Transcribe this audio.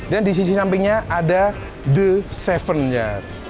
dan di sisi sampingnya ada the tujuh jar